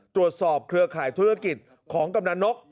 ตรวจสอบเครือข่ายธุรกิจของกำลังนก